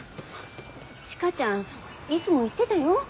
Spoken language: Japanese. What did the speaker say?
千佳ちゃんいつも言ってたよ。